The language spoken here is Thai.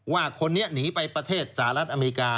ว่าคนนี้หนีไปประเทศสหรัฐอเมริกา